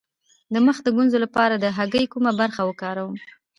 د مخ د ګونځو لپاره د هګۍ کومه برخه وکاروم؟